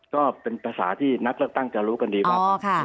ก็เป็นภาษาที่นักเลือกตั้งจะรู้กันดีว่า